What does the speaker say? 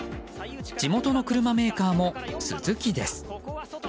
地元の車メーカーもスズキです。